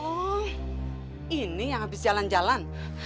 oh ini yang habis jalan jalan